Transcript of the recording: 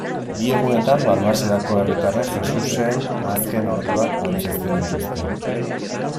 Bi egunetan Balmasedako herritarrek Jesusen azken orduak antzezten dituzte.